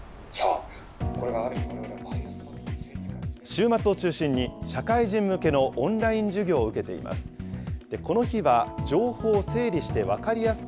週末を中心に、社会人向けのオンライン授業を受けています。